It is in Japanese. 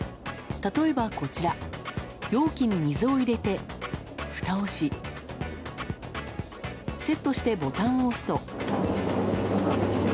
例えば、こちら容器に水を入れてふたをしセットしてボタンを押すと。